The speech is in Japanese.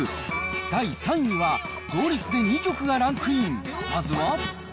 第３位は、同率で２曲がランクイン、まずは。